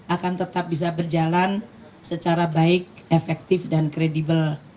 akan tetap bisa berjalan secara baik efektif dan kredibel